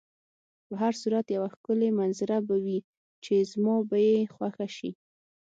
په هر صورت یوه ښکلې منظره به وي چې زما به یې خوښه شي.